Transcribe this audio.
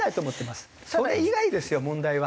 それ以外ですよ問題は。